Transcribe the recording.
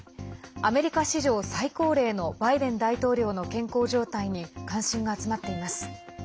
アメリカ史上最高齢のバイデン大統領の健康状態に関心が集まっています。